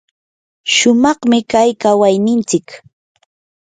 shumaqmi kay kawaynintsik.